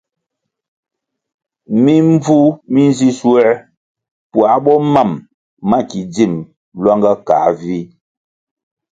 Mimbvu mi nzi schuer puáh bo mam ma ki dzim luanga kăh vih.